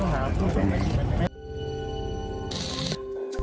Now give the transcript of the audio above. ไม่รู้